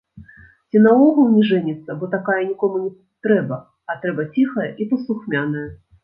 Ці наогул не жэніцца, бо такая нікому не трэба, а трэба ціхая і паслухмяная.